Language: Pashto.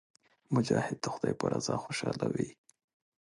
مجاهد د خدای په رضا خوشاله وي.